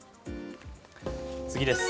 次です。